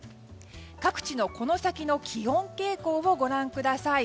各地のこの先の気温傾向をご覧ください。